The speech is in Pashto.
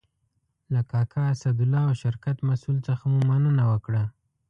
له کاکا اسدالله او شرکت مسئول څخه مو مننه وکړه.